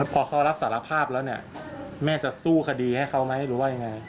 พอเขารับสารภาพแล้วเนี่ยแม่จะสู้คดีให้เขาไหมหรือว่ายังไง